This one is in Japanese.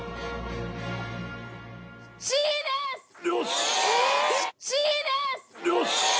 よし！